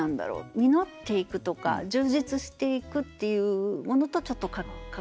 実っていくとか充実していくっていうものとちょっとかかっている。